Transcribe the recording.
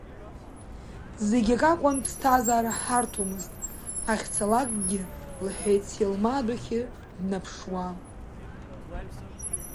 Зегьакакәын ԥсҭазаара ҳарҭомызт ҳахьцалакгьы лҳәеит Селма адәахьы днаԥшуа.